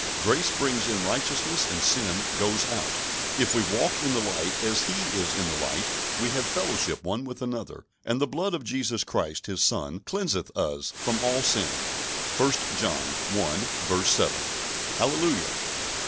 Grace brings in righteousness and sin goes out. "If we walk in the light, as He is in the light, we have fellowship one with another, and the blood of Jesus Christ His Son cleanseth us from all sin" (1 John i. 7). Hallelujah!